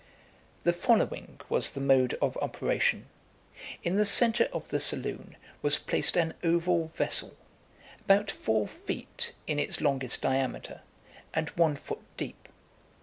The following was the mode of operation: In the centre of the saloon was placed an oval vessel, about four feet in its longest diameter, and one foot deep.